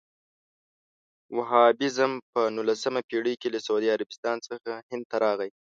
وهابیزم په نولسمه پېړۍ کې له سعودي عربستان څخه هند ته راغی.